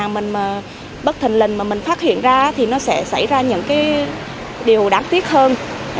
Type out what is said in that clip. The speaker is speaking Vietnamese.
mình bất thình lình mà mình phát hiện ra thì nó sẽ xảy ra những cái điều đáng tiếc hơn